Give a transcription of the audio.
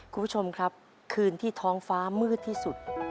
คุณผู้ชมครับคืนที่ท้องฟ้ามืดที่สุด